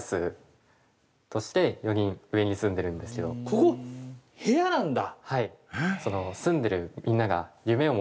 ここ部屋なんだ？